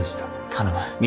頼む。